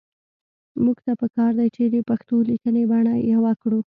موږ ته پکار دي چې د پښتو لیکنۍ بڼه يوه کړو